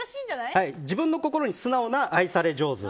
自分の心に素直な愛され上手。